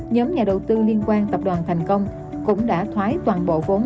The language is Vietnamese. nhóm nhà đầu tư liên quan tập đoàn thành công cũng đã thoái toàn bộ vốn